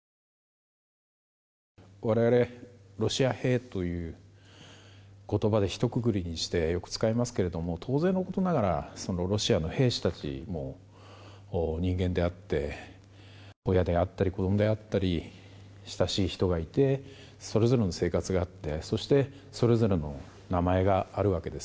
我々ロシア兵という言葉でひとくくりにしてよく使いますけれども当然のことながらロシアの兵士たちも人間であって親であったり子供であったり親しい人がいてそれぞれの生活があってそして、それぞれの名前があるわけです。